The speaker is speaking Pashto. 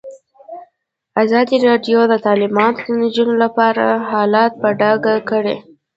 ازادي راډیو د تعلیمات د نجونو لپاره حالت په ډاګه کړی.